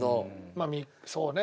まあそうね。